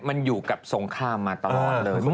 มันอยู่กับสงครามมาตลอดเลย